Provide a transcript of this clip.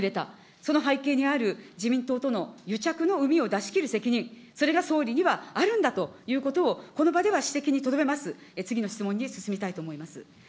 その背景にある、自民党との癒着のうみを出し切る責任、それが総理にはあるんだということを、この場では指摘にとどめます、次の質問に進みたいと思います。